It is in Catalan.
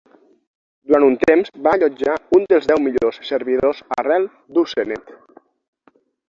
Durant un temps, va allotjar un dels deu millors servidors arrel d'Usenet.